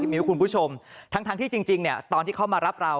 มิ้วคุณผู้ชมทั้งที่จริงเนี่ยตอนที่เขามารับเรา